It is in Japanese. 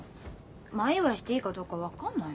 前祝いしていいかどうか分かんないもん。